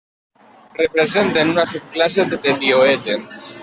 Representen una subclasse de tioèters.